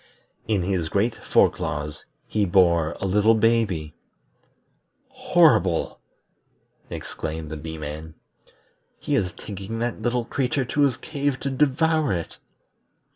In his great fore claws he bore a little baby. "Horrible!" exclaimed the Bee man. "He is taking that little creature to his cave to devour it."